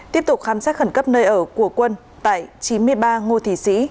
tiếp tục khám sát khẩn cấp nơi ở của quân tại chín mươi ba ngô thì sĩ